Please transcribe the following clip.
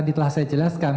tadi telah saya jelaskan